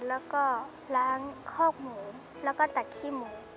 แล้วก็ล้างคอกหมูแล้วก็ตักขี้หมู